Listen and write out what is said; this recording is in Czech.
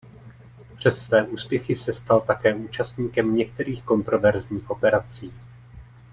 Přes své úspěchy se stal také účastníkem některých kontroverzních operací.